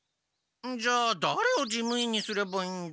じゃあだれを事務員にすればいいんだ？